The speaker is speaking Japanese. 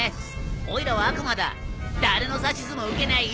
オイラは悪魔だ誰の指図も受けないよ。